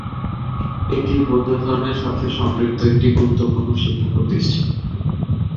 এটি বৌদ্ধ ধর্মের সাথে সম্পৃক্ত একটি গুরুত্বপূর্ণ শিক্ষাপ্রতিষ্ঠান।